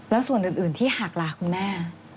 แล้วส่วนอื่นที่หากลาคุณแม่